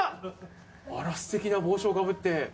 あら、すてきな帽子をかぶって。